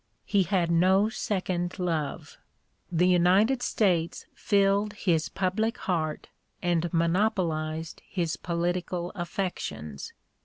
He had no second love; the United States filled his public heart and monopolized his political affections.